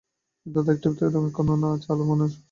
কিন্তু তাদের মধ্যে একটিতেও এখন না আছে আলো, না আছে মানুষ।